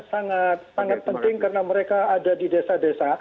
sangat sangat penting karena mereka ada di desa desa